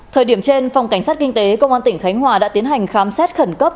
thời điểm trên phòng cảnh sát kinh tế công an tỉnh khánh hòa đã tiến hành khám xét khẩn cấp